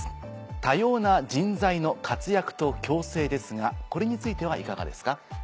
「多様な人材の活躍と共生」ですがこれについてはいかがですか？